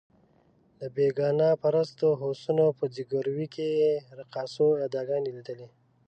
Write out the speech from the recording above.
د بېګانه پرستو هوسونو په ځګیروي کې یې رقاصانو اداګانې لیدلې.